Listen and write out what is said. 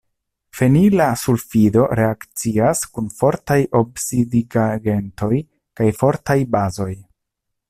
Fenila sulfido reakcias kun fortaj oksidigagentoj kaj fortaj bazoj.